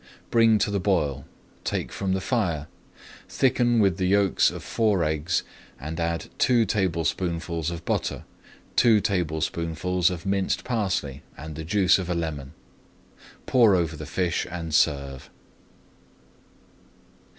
Bring to the boil, take from the fire, thicken with the yolks of four eggs and add two tablespoonfuls of butter, two tablespoonfuls of minced parsley, and the juice of a lemon. Pour over the fish and serve.